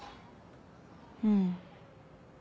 うん。